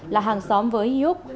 là hàng xóm với iuk